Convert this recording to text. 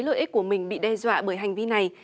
lợi ích của mình bị đe dọa bởi hành vi này